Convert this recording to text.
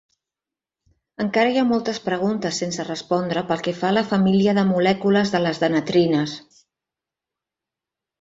Encara hi ha moltes preguntes sense respondre pel que fa a la família de molècules de les de netrines.